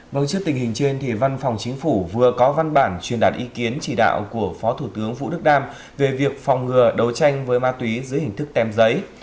vâng trước tình hình trên thì văn phòng chính phủ vừa có văn bản truyền đạt ý kiến chỉ đạo của phó thủ tướng vũ đức đam về việc phòng ngừa đấu tranh với ma túy dưới hình thức tem giấy